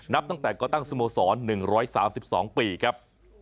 นับตั้งแต่ก่อตั้งสโมสร๑๓๒ปีครับ